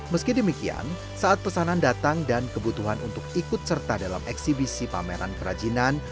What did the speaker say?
meski demikian saat pesanan datang dan kebutuhan untuk ikut serta dalam eksibisi pameran kerajinan